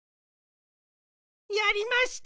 やりました！